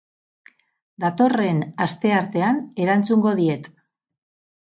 Datorren asteartean erantzungo diet.